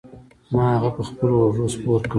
ما هغه په خپلو اوږو سپار کړ.